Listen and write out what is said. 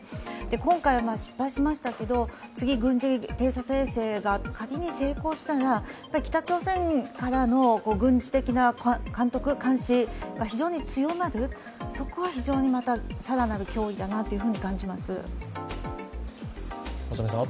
今回は失敗しましたけど、次、軍事偵察衛星が仮に成功したら、北朝鮮からの軍事的な監視が非常に強まる、そこが非常に更なる脅威だなど感じます。